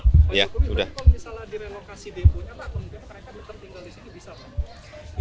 pak jokowi kalau misalnya direlokasi deponya pak kemudian mereka bisa tinggal di sini bisa pak